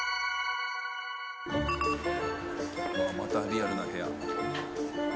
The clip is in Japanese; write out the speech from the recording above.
またリアルな部屋。